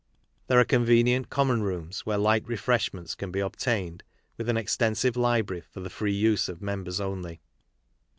There are convenient Common Rooms, where light refreshiuents can. be obtained, with an extensive library for the free use of members only.